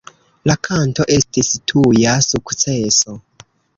La kanto estis tuja sukceso.